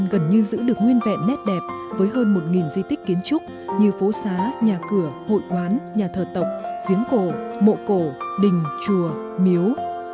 gần như giữ được nguyên vẹn nét đẹp với hơn một di tích kiến trúc như phố xá nhà cửa hội quán nhà thờ tộc giếng cổ mộ cổ đình chùa miếu